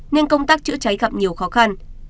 nên công tác chữa trái gặp nhiều khó khăn